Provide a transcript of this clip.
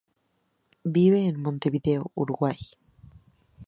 Vive en Montevideo, Uruguay.